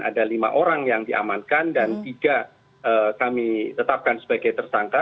ada lima orang yang diamankan dan tiga kami tetapkan sebagai tersangka